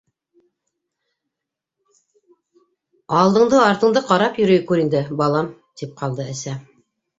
- Алдыңды-артыңды ҡарап йөрөй күр инде, балам, - тип ҡалды әсә.